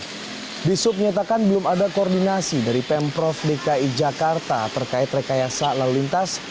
di sub menyatakan belum ada koordinasi dari pemprov dki jakarta terkait rekayasa lalu lintas